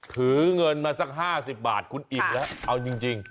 ถือเงินมาสัก๕๐บาทคุณอิ่มแล้วเอาจริง